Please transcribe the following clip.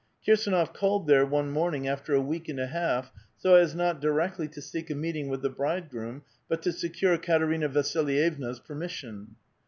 KirsAnof called there one morning, after a week and a half, so as not directly to seek a meeting with the *' bridegroom," but to secure Katerina Vasilyevna*s permission.